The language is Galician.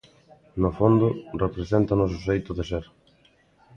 No fondo, representa o noso xeito de ser.